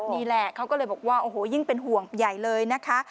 นี่แหละเขาก็เลยบอกว่าโอ้โหยิ่งเป็นห่วงใหญ่เลยนะคะ